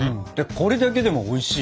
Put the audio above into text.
これだけでもおいしい。